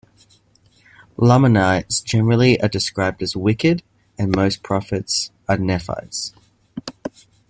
Lamanites generally are described as wicked, and most prophets are Nephites.